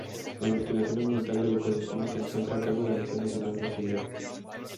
La investigación ambiental del ecosistema se encuentra a cargo del Museo Nacional Brasilero.